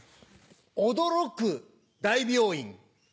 驚く大病院。